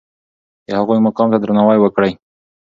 د هغوی مقام ته درناوی وکړئ.